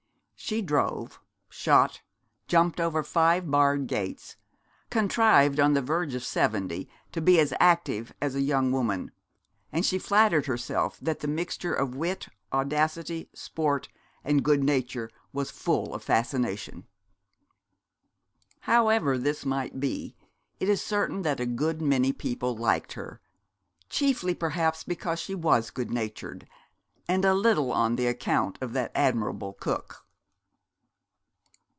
She drove, shot, jumped over five barred gates, contrived on the verge of seventy to be as active us a young woman; and she flattered herself that the mixture of wit, audacity, sport, and good nature was full of fascination. However this might be, it is certain that a good many people liked her, chiefly perhaps because she was good natured, and a little on account of that admirable cook.